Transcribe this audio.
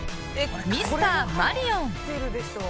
ミスターマリオン。